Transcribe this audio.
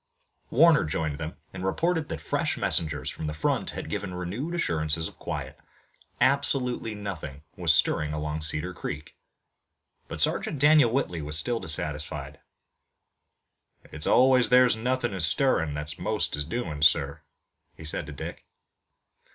Warner joined them, and reported that fresh messengers from the front had given renewed assurances of quiet. Absolutely nothing was stirring along Cedar Creek, but Sergeant Daniel Whitley was still dissatisfied. "It's always where nothin' is stirrin' that most is doin', sir," he said to Dick.